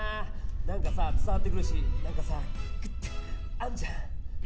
なんかさ伝わってくるしなんかさグッてあんじゃん！